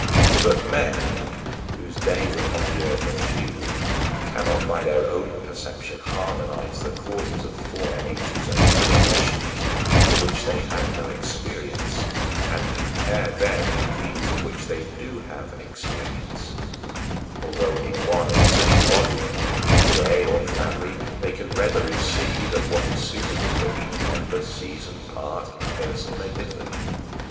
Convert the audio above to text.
But men, whose days upon the earth are few, cannot by their own perception harmonize the causes of former ages and other nations, of which they had no experience, and compare them with these of which they do have experience; although in one and the same body, or day, or family, they can readily see that what is suitable for each member, season, part, and person may differ.